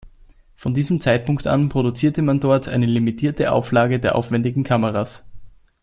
Von diesem Zeitpunkt an produzierte man dort eine limitierte Auflage der aufwendigen Kameras.